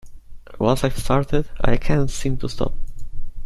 Once I've started, I can't seem to stop.